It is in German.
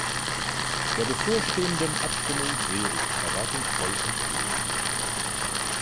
Der bevorstehenden Abstimmung sehe ich erwartungsvoll entgegen.